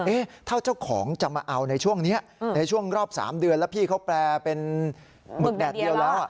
เท่าเจ้าของจะมาเอาในช่วงนี้ในช่วงรอบ๓เดือนแล้วพี่เขาแปลเป็นหมึกแดดเดียวแล้ว